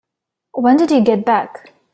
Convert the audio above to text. When did you get back?